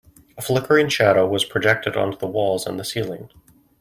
A flickering shadow was projected onto the walls and the ceiling.